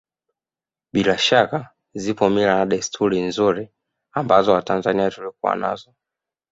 Bila shaka zipo mila na desturi nzuri ambazo Watanzania tulikuwa nazo